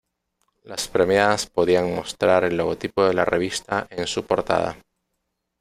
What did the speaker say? Las premiadas podían mostrar el logotipo de la revista en su portada.